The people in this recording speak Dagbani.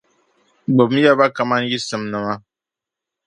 Gbibimi ya ba ka mani yi simnima.